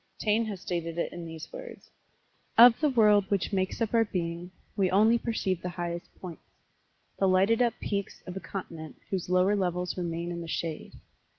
Taine has stated it in these words: "Of the world which makes up our being, we only perceive the highest points the lighted up peaks of a continent whose lower levels remain in the shade."